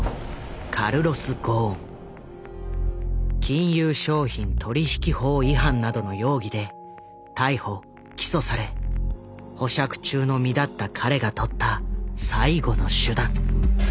金融商品取引法違反などの容疑で逮捕起訴され保釈中の身だった彼が取った最後の手段。